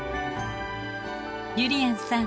ゆりやんさん